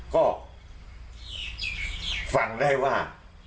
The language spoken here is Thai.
ก็ฟังได้ว่า